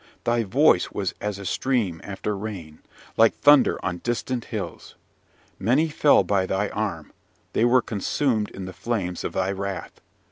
Thy voice was as a stream after rain, like thunder on distant hills. Many fell by thy arm: they were consumed in the flames of thy wrath.